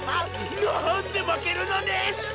なんで負けるのねん！